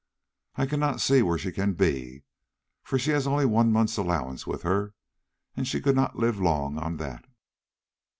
I cannot see where she can be, for she had only one month's allowance with her and she could not live long on that."